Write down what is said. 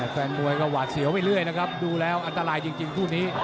แฟนมวยก็หวาดเสียวไปเรื่อยนะครับดูแล้วอันตรายจริงคู่นี้